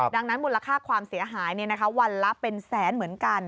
ดังนั้นมูลค่าความเสียหายวันละเป็นแสนเหมือนกัน